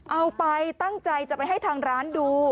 เอาไปตั้งใจจะไปให้ทางร้านดู